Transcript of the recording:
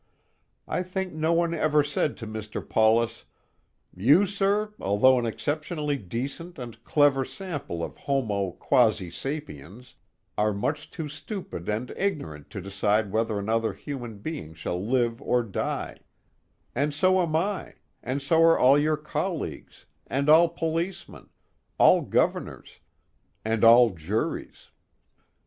I think no one ever said to Mr. Paulus: "You, sir, although an exceptionally decent and clever sample of Homo quasi sapiens, are much too stupid and ignorant to decide whether another human being shall live or die; and so am I, and so are all your colleagues, and all policemen, all Governors, and all juries."